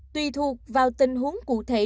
tùy thuộc vào tình huống cụ thể